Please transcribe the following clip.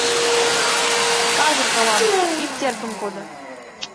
Казыр толам, ик теркым кодо.